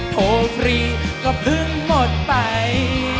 โทรฟรีก็เพิ่งหมดไป